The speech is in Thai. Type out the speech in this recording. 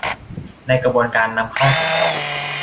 ในกระบวนการนำเข้าส่งออก